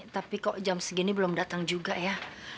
tapi kok jam segini belum datang juga ya